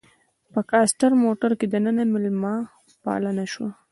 په کاسټر موټر کې دننه میلمه پالنه شوه.